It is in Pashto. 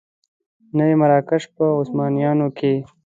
نه یې مراکش په عثمانیانو کې.